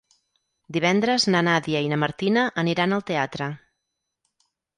Divendres na Nàdia i na Martina aniran al teatre.